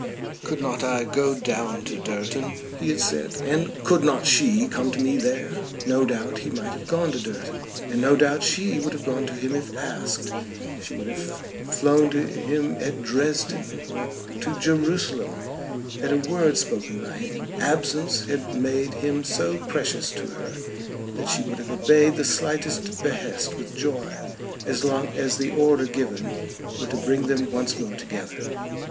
"Could not I go down to Durton," he had said, "and could not she come to me there?" No doubt he might have gone to Durton, and no doubt she would have gone to him if asked. She would have flown to him at Dresden, or to Jerusalem, at a word spoken by him. Absence had made him so precious to her, that she would have obeyed the slightest behest with joy as long as the order given were to bring them once more together.